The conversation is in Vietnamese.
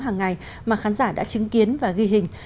hàng ngày mà khán giả đã chứng kiến và ghi hình